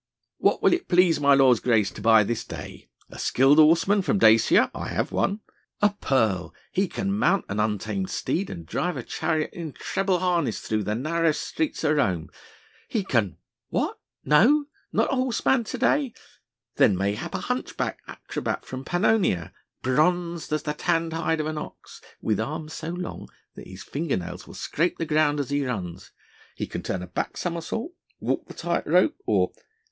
"What will it please my lord's grace to buy this day? A skilled horseman from Dacia?... I have one.... A pearl.... He can mount an untamed steed and drive a chariot in treble harness through the narrowest streets of Rome.... He can ... What no? not a horseman to day?... then mayhap a hunchback acrobat from Pannonia, bronzed as the tanned hide of an ox, with arms so long that his finger nails will scrape the ground as he runs; he can turn a back somersault, walk the tight rope, or